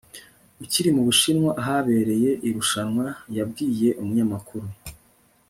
ukiri mu bushinwa ahabereye irushanwa yabwiye umunyamakuru